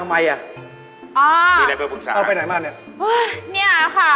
อ้าวพี่ซีอุ๊ยไหมเนี่ย